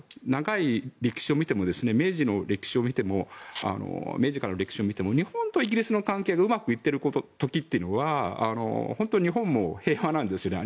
長い歴史を見ても明治からの歴史を見ても日本とイギリスの関係がうまくいっている時というのは日本も平和なんですね。